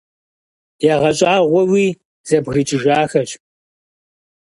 ЯгъэщӀагъуэуи зэбгрыкӀыжахэщ.